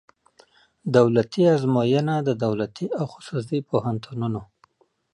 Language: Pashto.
دولتي آزموینه د دولتي او خصوصي پوهنتونونو